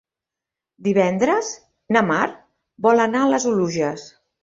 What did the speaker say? Divendres na Mar vol anar a les Oluges.